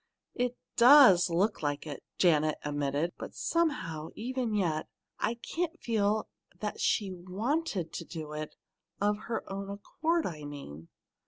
"It does look like it," Janet admitted. "But somehow, even yet, I can't feel that she wanted to do it of her own accord, I mean."